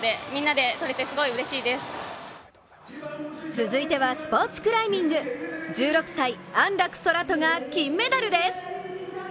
続いてはスポーツクライミング１６歳、安楽宙斗が金メダルです！